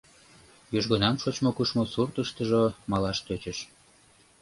Южгунам шочмо-кушмо суртыштыжо малаш тӧчыш.